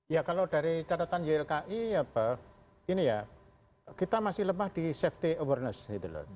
ya kalau dari catatan ylki kita masih lemah di safety awareness